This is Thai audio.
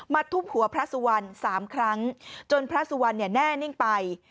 ทุบหัวพระสุวรรณ๓ครั้งจนพระสุวรรณเนี่ยแน่นิ่งไป